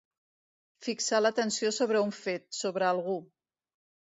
Fixar l'atenció sobre un fet, sobre algú.